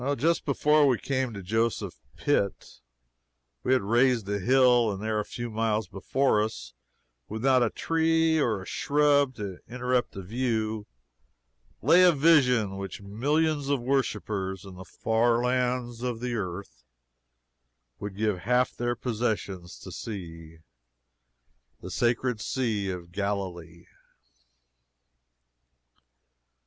Just before we came to Joseph's Pit, we had "raised" a hill, and there, a few miles before us, with not a tree or a shrub to interrupt the view, lay a vision which millions of worshipers in the far lands of the earth would give half their possessions to see the sacred Sea of Galilee!